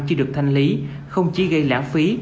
chưa được thanh lý không chỉ gây lãng phí